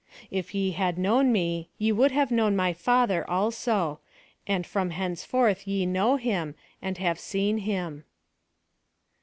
" If ye had known me, ye would have known my Father also, and from henceforth yc know him, and have seen him."